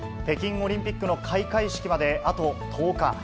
北京オリンピックの開会式まであと１０日。